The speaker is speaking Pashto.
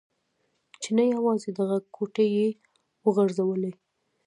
چې نه یوازې دغه کوټې يې و غورځولې.